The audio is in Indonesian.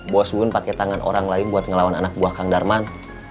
bos bun pake tangan orang lain buat ngelawan anak buah kang darman